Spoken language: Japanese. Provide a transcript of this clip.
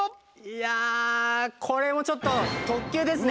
いやこれもちょっととっきゅうですね。